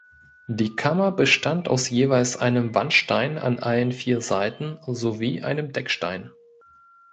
Die Kammer bestand aus jeweils einem Wandstein an allen vier Seiten sowie einem Deckstein.